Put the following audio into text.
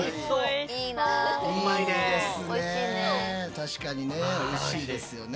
確かにねおいしいですよね。